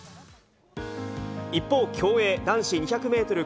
一方、競泳男子２００メートル